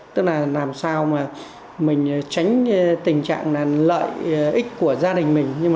tức là làm sao mà mình tránh tình trạng là lợi ích của gia đình mình